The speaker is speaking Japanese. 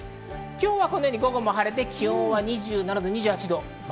今日はこのように晴れて、気温も２７２８度。